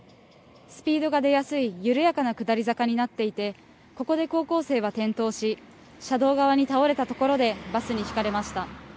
スピードが出やすい緩やかな下り坂になっていて、ここで高校生は転倒し、車道側に倒れたところでバスにひかれました。